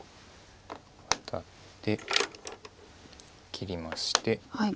ワタって切りまして。